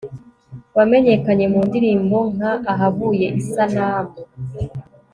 wamenyekanye mu ndirimbo nka AHAVUYE ISANAMU